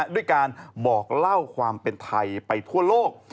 ด้วยการบอกเล่าความเป็นไทยไปทั่วโลก